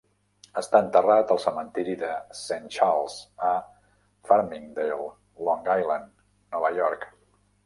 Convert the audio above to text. Està enterrat al cementiri Saint Charles a Farmingdale, Long Island, Nova York.